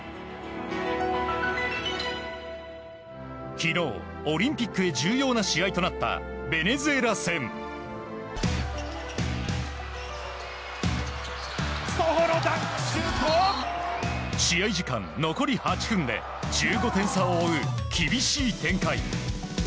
昨日、オリンピックへ重要な試合となったベネズエラ戦。試合時間残り１８分で１５点差を追う厳しい展開。